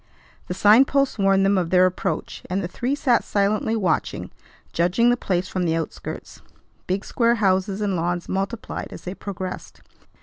The sign posts warned them of their approach; and the three sat silently watching, judging the place from the outskirts. Big square houses and lawns multiplied as they progressed.